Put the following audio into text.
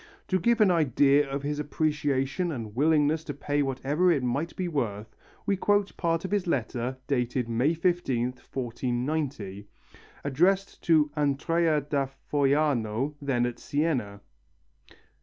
To give an idea of his appreciation and willingness to pay whatever it might be worth, we quote part of his letter dated May 15th, 1490, addressed to Andrea da Foiano then at Siena.